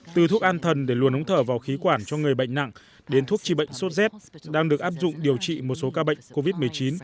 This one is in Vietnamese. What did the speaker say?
từ thuốc an thần để luồn ống thở vào khí quản cho người bệnh nặng đến thuốc trị bệnh sốt z đang được áp dụng điều trị một số ca bệnh covid một mươi chín